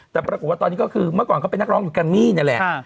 แต่ปรากฏว่าตอนนี้ก็คือเมื่อก่อนเขาเป็นนักร้องอยู่แกมมี่นี่แหละ